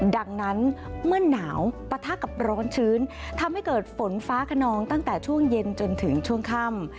ดังนั้นเมื่อหนาวปะทะกับร้อนชื้นทำให้เกิดฝนฟ้าขนองตั้งแต่ช่วงเย็นจนถึงช่วงค่ำ